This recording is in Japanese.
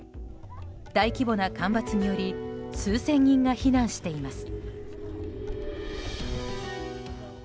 大規模な干ばつにより数千人が避難しています。